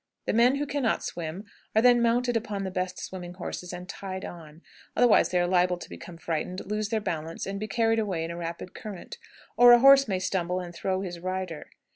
The men who can not swim are then mounted upon the best swimming horses and tied on, otherwise they are liable to become frightened, lose their balance, and be carried away in a rapid current; or a horse may stumble and throw his rider.